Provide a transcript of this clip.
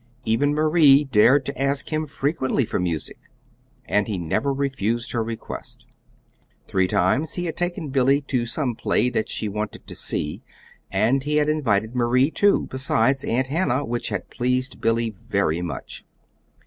Even Marie dared to ask him frequently for music, and he never refused her request. Three times he had taken Billy to some play that she wanted to see, and he had invited Marie, too, besides Aunt Hannah, which had pleased Billy very much.